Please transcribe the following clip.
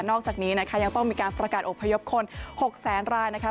อกจากนี้นะคะยังต้องมีการประกาศอบพยพคน๖แสนรายนะคะ